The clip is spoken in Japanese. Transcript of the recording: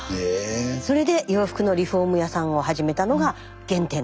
それで洋服のリフォーム屋さんを始めたのが原点だそうです。